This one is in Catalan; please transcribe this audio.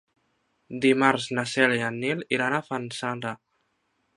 Dimarts na Cèlia i en Nil iran a Fanzara.